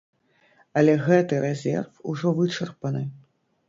Але гэты рэзерв ужо вычарпаны.